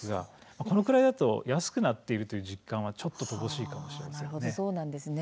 このぐらいだと安くなっているという実感は乏しいかもしれません。